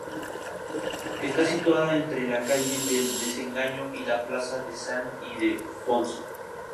Está situada entre la calle del Desengaño y la plaza de San Ildefonso.